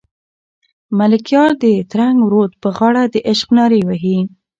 ملکیار د ترنګ رود په غاړه د عشق نارې وهي.